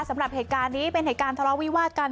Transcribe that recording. สำหรับเหตุการณ์นี้เป็นเหตุการณ์ทะเลาะวิวาดกัน